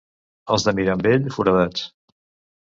Els de Mirambell, foradats.